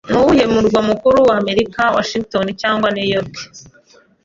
Nuwuhe murwa mukuru wa Amerika, Washington cyangwa New York?